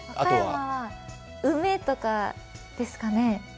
和歌山は梅とかですかね？